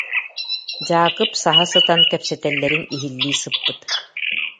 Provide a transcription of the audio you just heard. Дьаакып саһа сытан кэпсэтэллэрин иһиллии сыппыт